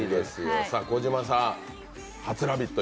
小島さん、初「ラヴィット！」